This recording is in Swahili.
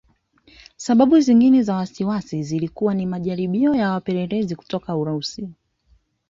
Sababu nyingine za wasiwasi zilikuwa ni majaribio ya wapelelezi kutoka Urusi